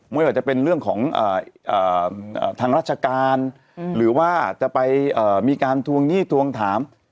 ไม่ว่าจะเป็นเรื่องของทางราชการหรือว่าจะไปมีการทวงหนี้ทวงถาม